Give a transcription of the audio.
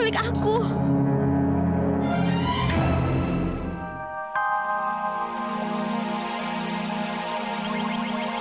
tidak ada yang tahu